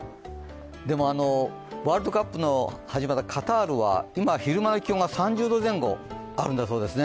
でもワールドカップの始まったカタールは今、昼間の気温が３０度前後あるんだそうです。